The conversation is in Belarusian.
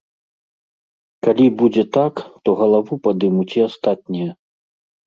Калі будзе так, то галаву падымуць і астатнія.